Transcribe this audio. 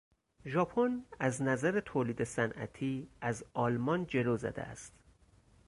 ژاپن از نظر تولید صنعتی از آلمان جلو زده است.